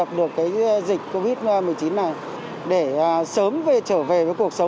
tuyệt vời vượt vượt vượt